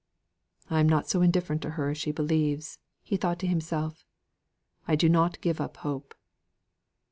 "I am not so indifferent to her as she believes," thought he to himself. "I do not give up hope."